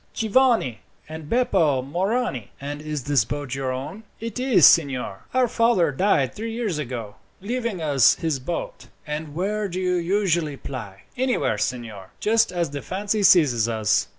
"Giovanni and Beppo Morani." "And is this boat your own?" "It is, signor. Our father died three years ago, leaving us his boat." "And where do you usually ply?" "Anywhere, signor, just as the fancy seizes us.